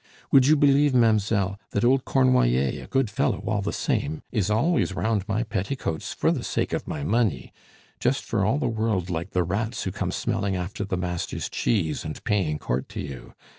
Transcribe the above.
Would you believe, mamz'elle, that old Cornoiller (a good fellow all the same) is always round my petticoats for the sake of my money, just for all the world like the rats who come smelling after the master's cheese and paying court to you?